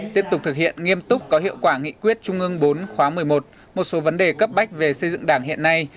tiếp tục thực hiện nghiêm túc có hiệu quả nghị quyết trung ương bốn khóa một mươi một một số vấn đề cấp bách về xây dựng đảng hiện nay